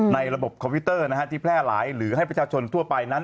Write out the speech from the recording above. ระบบคอมพิวเตอร์ที่แพร่หลายหรือให้ประชาชนทั่วไปนั้น